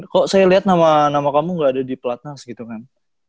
kok saya lihat nama nama kamu gak ada di pelatnas gitu kan